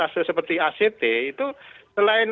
seperti act itu selain